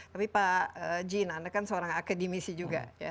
tapi pak jin anda kan seorang akademisi juga